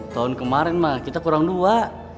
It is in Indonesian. tahun kemarin mah kita kurang dua